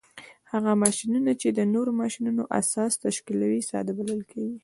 هغه ماشینونه چې د نورو ماشینونو اساس تشکیلوي ساده بلل کیږي.